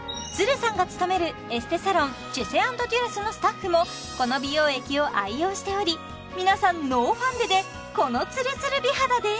さんが勤めるエステサロンチェセ＆デュラスのスタッフもこの美容液を愛用しており皆さんノーファンデでこのつるつる美肌です